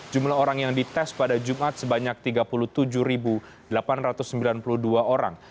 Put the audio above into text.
jumlah orang yang dites pada jumat sebanyak tiga puluh tujuh delapan ratus sembilan puluh dua orang